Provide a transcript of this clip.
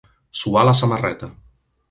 Suar la samarreta.